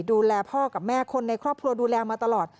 ดูแลพ่อกับแม่คนในครอบครัวดูแลมาตลอด